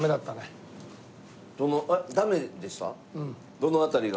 どの辺りが？